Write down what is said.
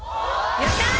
やったー！